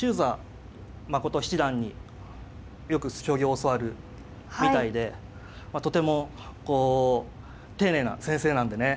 真七段によく将棋を教わるみたいでとてもこう丁寧な先生なんでね